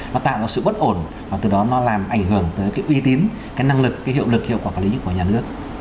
nó tạo ra sự bất ổn và từ đó nó làm ảnh hưởng tới cái uy tín cái năng lực cái hiệu lực hiệu quả quản lý của nhà nước